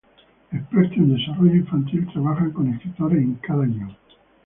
Expertos en desarrollo infantil trabajan con escritores en cada guion.